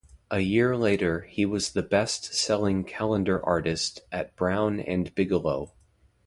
A year later, he was the best-selling calendar artist at Brown and Bigelow.